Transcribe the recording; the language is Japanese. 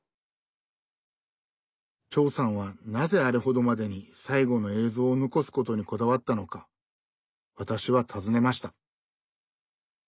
長さんはなぜあれほどまでに最期の映像を残すことにこだわったのか私は尋ねました。